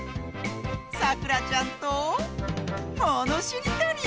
さくらちゃんとものしりとり！